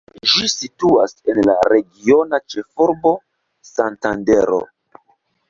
Ĝi situas en la regiona ĉefurbo, Santandero.